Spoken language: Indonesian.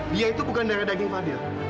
dia itu bukan daerah daging fadil